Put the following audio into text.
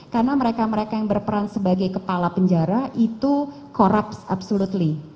karena mereka mereka yang berperan sebagai kepala penjara itu corrupts absolutely